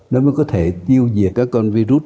đó mới có thể tiêu diệt các con virus